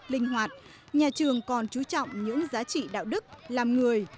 linh hoạt nhà trường còn chú trọng những giá trị đạo đức làm người